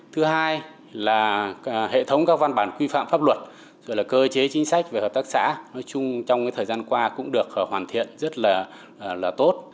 thứ hai là hệ thống các văn bản quy phạm pháp luật rồi là cơ chế chính sách về hợp tác xã nói chung trong thời gian qua cũng được hoàn thiện rất là tốt